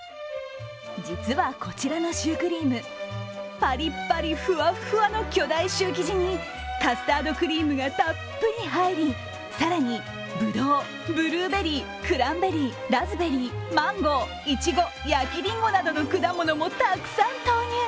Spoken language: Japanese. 実はこちらのシュークリーム、パリパリフワフワの巨大シュー生地にカスタードクリームがたっぷり入り、更に、ぶどう、ブルーベリークランベリーラズベリー、マンゴー、いちご、焼きりんごなどの果物もたくさん投入。